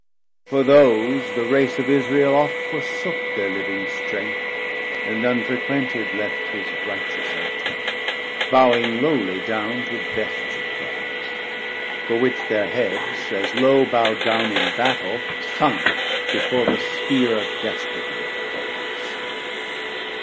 For those the Race of Israel oft forsook Their living strength, and unfrequented left His righteous Altar, bowing lowly down To bestial Gods; for which their heads as low Bow'd down in Battel, sunk before the Spear Of despicable foes.